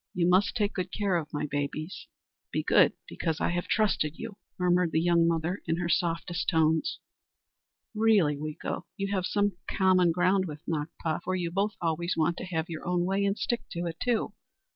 You must take good care of my babies. Be good, because I have trusted you," murmured the young mother in her softest tones. "Really, Weeko, you have some common ground with Nakpa, for you both always want to have your own way, and stick to it, too!